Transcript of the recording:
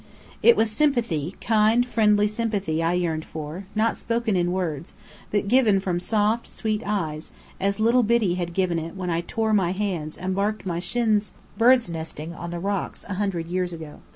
It was sympathy, kind, friendly sympathy I yearned for, not spoken in words, but given from soft, sweet eyes, as little Biddy had given it when I tore my hands and barked my shins birds' nesting on the rocks a hundred years ago.